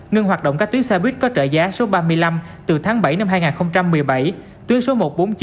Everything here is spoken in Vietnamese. ngưng hoạt động các tuyến xe buýt có trợ giá số ba mươi năm từ tháng bảy năm hai nghìn một mươi bảy tuyến số một trăm bốn mươi chín